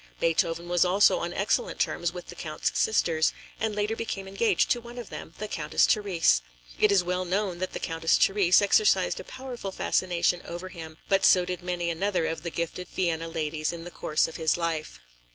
Beethoven was also on excellent terms with the Count's sisters, and later became engaged to one of them, the Countess Therese. It is well known that the Countess Therese exercised a powerful fascination over him, but so did many another of the gifted Vienna ladies in the course of his life.